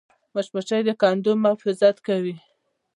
مچمچۍ د کندو محافظت کوي